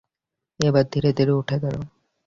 এবার ধীরে ধীরে উঠে দাঁড়ায়।